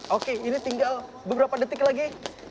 oke ini tinggal beberapa detik lagi